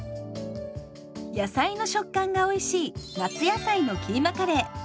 野菜の食感がおいしい「夏野菜のキーマカレー」。